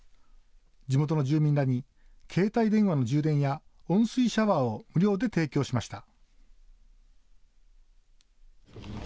地元の住民らに携帯電話の充電や温水シャワーを無料で提供しました。